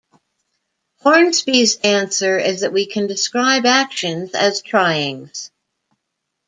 Hornsby's answer is that we can describe actions as tryings.